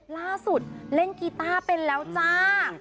ล่าสุดเล่นกีต้าเป็นแล้วจ้า